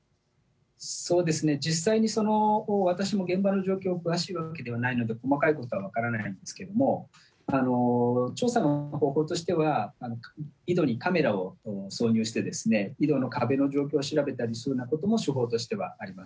そうですね、実際に私も現場の状況、詳しいわけではないので、細かいことは分からないんですけれども、調査の方法としては、井戸にカメラを挿入して、井戸の壁の状況を調べたりということは手法としてはあります。